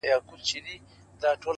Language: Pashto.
نه د عقل پوهي ګټه را رسېږي،